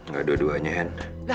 gak dua duanya hen